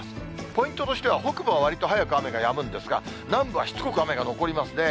ポイントとしては北部はわりと早く雨がやむんですが、南部はしつこく雨が残りますね。